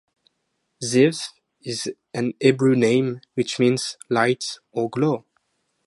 Ziv is a Hebrew name, which means "light" or "glow".